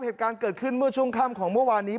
เหตุการณ์เกิดขึ้นเมื่อช่วงค่ำของเมื่อวานนี้